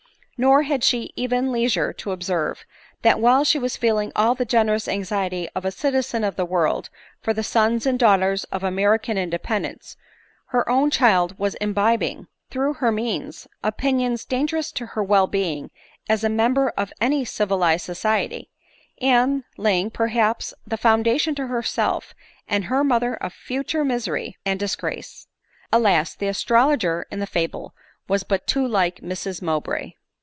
Nor had she even leisure to observe, that while she was feeling all the generous anxiety of a citizen of the world for the sons and daughters of American independence, her own child was imbibing, through her means, opinions dangerous to her well being as a mem ber of any civilized soeiety, and laying, perhaps, the foundation to herself and her mother of future misery •Tj. *—..''*—* tS ADELINE MOWBRAY. and disgrace. Alas ! the astrologer in the fable was but too like Mrs Mowbray